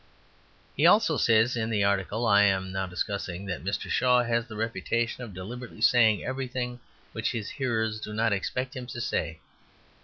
He also says, in the article I am now discussing, that Mr. Shaw has the reputation of deliberately saying everything which his hearers do not expect him to say.